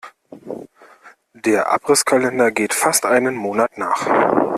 Der Abrisskalender geht fast einen Monat nach.